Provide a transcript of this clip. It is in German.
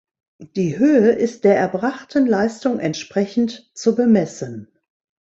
Die Höhe ist der erbrachten Leistung entsprechend zu bemessen.